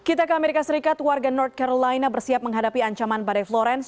kita ke amerika serikat warga north carolina bersiap menghadapi ancaman badai florence